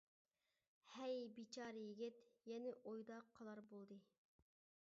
ھەي بىچارە يىگىت، يەنە ئويدا قالار بولدى.